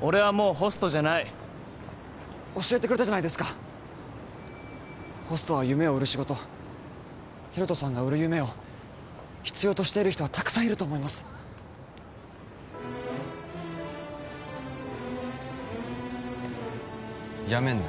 俺はもうホストじゃない教えてくれたじゃないですかホストは夢を売る仕事ヒロトさんが売る夢を必要としている人はたくさんいると思いますやめんなはっ？